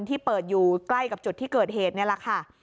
ที่เปิดอยู่ใกล้กับจุดที่เกิดเหตุนี่แหละค่ะ